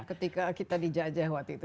ketika kita dijajah waktu itu